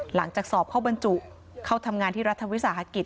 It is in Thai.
หลังจากสอบเข้าบรรจุเข้าทำงานที่รัฐวิสาหกิจ